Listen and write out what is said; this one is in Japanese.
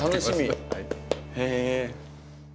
へえ。